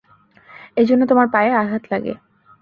এজন্য তোমার পায়ে আঘাত লাগে।